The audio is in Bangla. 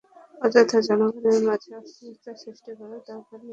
অযথা জনগণের মাঝে অস্থিরতা সৃষ্টি করার দরকার নেই।